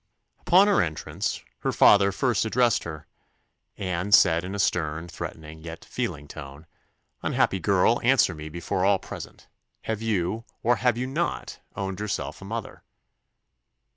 Upon her entrance, her father first addressed her, and said in a stern, threatening, yet feeling tone, "Unhappy girl, answer me before all present Have you, or have you not, owned yourself a mother?"